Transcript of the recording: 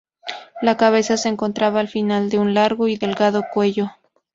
La cabeza se encontraba al final de un largo y delgado cuello.